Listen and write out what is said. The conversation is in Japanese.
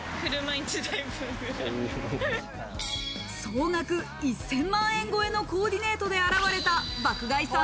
総額１０００万円超えのコーディネートで現れた爆買いさん